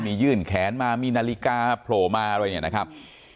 มียื่นแขนมามีนาฬิกาโผล่มาอะไรเนี่ยนะครับ